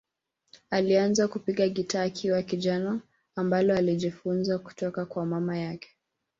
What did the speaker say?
Alianza kupiga gitaa akiwa kijana, ambalo alijifunza kutoka kwa mama yake.